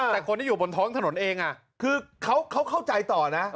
แต่คนที่อยู่บนท้องถนนเองคือเขาเข้าใจต่อนะ